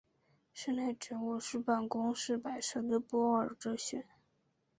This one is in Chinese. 室内植物是办公室摆设的不二之选。